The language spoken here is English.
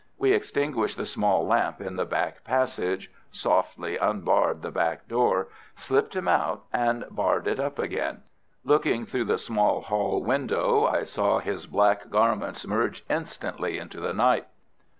We extinguished the small lamp in the back passage, softly unbarred the back door, slipped him out, and barred it up again. Looking through the small hall window, I saw his black garments merge instantly into the night.